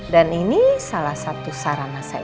dan ini salah satu sarana saya